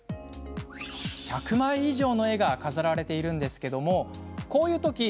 １００枚以上の絵が飾られているんですがこういうとき